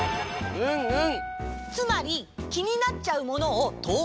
うんうん！